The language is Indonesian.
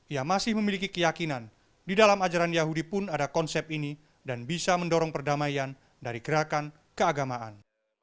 ia masih memiliki keyakinan di dalam ajaran yahudi pun ada konsep ini dan bisa mendorong perdamaian dari gerakan keagamaan